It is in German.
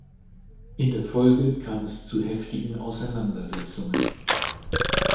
In der Folge kam es zu heftigen Auseinandersetzungen.